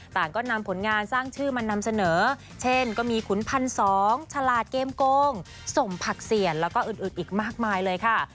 ต่างก็นำผลงานสร้างชื่อมานำเสนอเช่นก็มีขุนพันสองฉลาดเกมโกงสมผักเซียนแล้วก็อื่นอีกมากมายเลยค่ะ